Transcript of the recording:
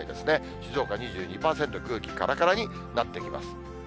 静岡２２％、空気からからになってきます。